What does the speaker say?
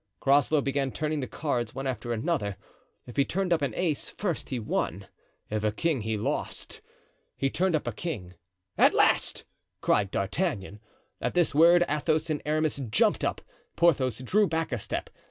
Groslow began turning the cards one after another. If he turned up an ace first he won; if a king he lost. He turned up a king. "At last!" cried D'Artagnan. At this word Athos and Aramis jumped up. Porthos drew back a step.